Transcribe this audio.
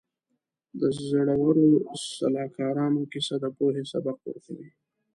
د زړورو سلاکارانو کیسه د پوهې سبق ورکوي.